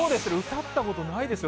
歌ったことないですよ